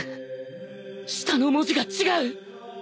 舌の文字が違う！